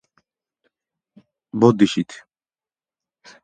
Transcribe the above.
კომპლექსი არტემიდეს ტაძრის ნანგრევებზე აშენდა, გამოყენებული იქნა მისი ქვები.